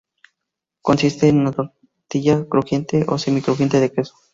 Consiste en una tortilla crujiente o semi-crujiente de queso.